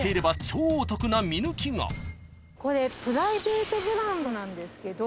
これプライベートブランドなんですけど。